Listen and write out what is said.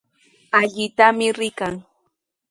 Allitami rikan.